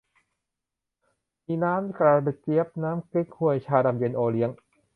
มีน้ำกระเจี๊ยบ น้ำเก๊กฮวย ชาดำเย็น โอเลี้ยง